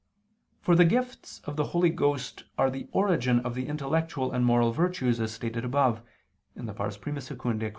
For the gifts of the Holy Ghost are the origin of the intellectual and moral virtues, as stated above (I II, Q.